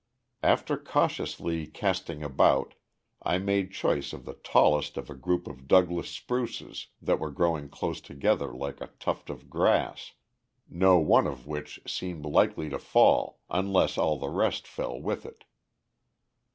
After cautiously casting about, I made choice of the tallest of a group of Douglas spruces that were growing close together like a tuft of grass, no one of which seemed likely to fall unless all the rest fell with it.